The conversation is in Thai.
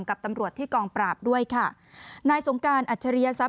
กับตำรวจที่กองปราบด้วยค่ะนายสงการอัจฉริยศัพ